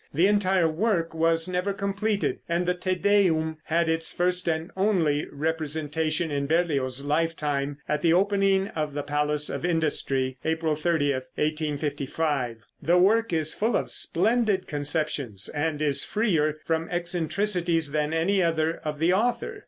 The entire work was never completed, and the "Te Deum" had its first and only representation in Berlioz's lifetime at the opening of the Palace of Industry, April 30, 1855. The work is full of splendid conceptions, and is freer from eccentricities than any other of the author.